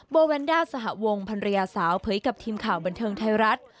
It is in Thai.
โบแวนด้าสหวงภรรยาสาวเผยกับทีมข่าวบันเทิงไทยรัฐ